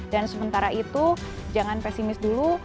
dan sementara itu jangan pesimis dulu